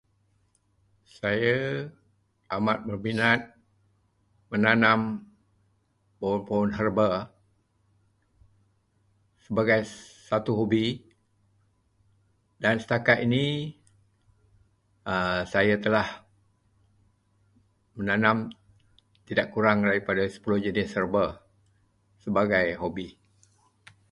Saya amat berminat menanam pohon-pohon herba sebagai satu hobi, dan setakat ini aa saya telah menanam tidak kurang daripada 10 jenis herba sebagai hobi.